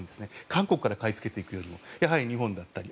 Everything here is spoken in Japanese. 韓国から買い付けていくよりもやはり日本だったり。